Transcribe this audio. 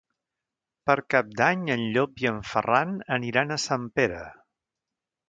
Per Cap d'Any en Llop i en Ferran aniran a Sempere.